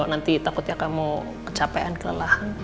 nanti takut ya kamu kecapean kelelahan